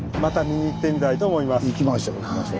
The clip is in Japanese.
行きましょう行きましょう。